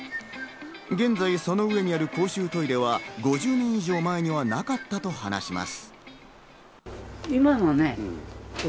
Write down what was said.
現在その上にある公衆トイレは５０年以上前にはなかったと話します。